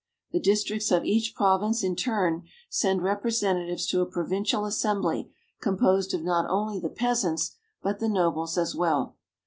The districts of each province in turn send representatives to a provincial assembly composed of not only the peasants, but the nobles as well.